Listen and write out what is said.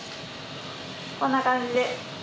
こんな感じで。